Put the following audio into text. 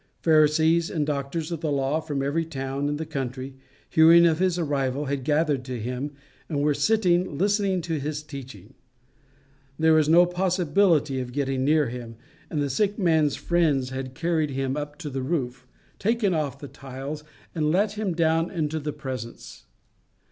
Pharisees and doctors of the law from every town in the country, hearing of his arrival, had gathered to him, and were sitting listening to his teaching. There was no possibility of getting near him, and the sick man's friends had carried him up to the roof, taken off the tiles, and let him down into the presence.